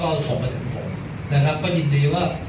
ก็ส่งมาถึงผมนะครับก็ยินดีว่า